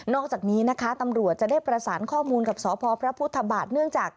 อกจากนี้นะคะตำรวจจะได้ประสานข้อมูลกับสพพระพุทธบาทเนื่องจาก